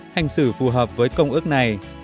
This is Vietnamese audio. hành xử phù hợp với công ước này